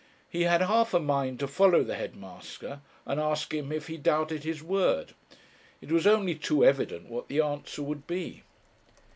He had half a mind to follow the head master and ask him if he doubted his word. It was only too evident what the answer would be.